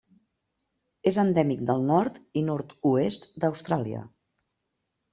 És endèmic del nord i nord-oest d'Austràlia.